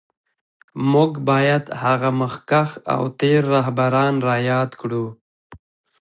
موږ باید هغه مخکښ او تېر رهبران را یاد کړو